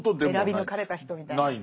選び抜かれた人みたいな。